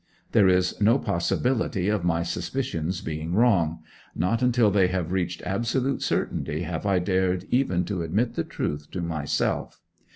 There is no possibility of my suspicions being wrong; not until they have reached absolute certainty have I dared even to admit the truth to myself.